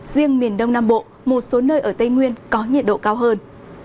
riêng miền đông nam bộ một số nơi ở tây nguyên có nhiệt độ cao hơn